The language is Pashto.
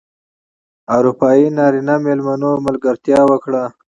اروپايي نرینه مېلمنو ملګرتیا وکړه.